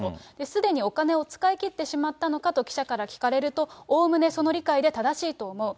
すでにお金を使い切ってしまったのかと記者から聞かれると、おおむねその理解で正しいと思う。